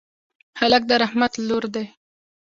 هلک د رحمت لور دی.